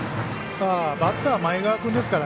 バッター前川君ですから。